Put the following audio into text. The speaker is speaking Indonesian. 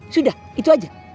sudah itu aja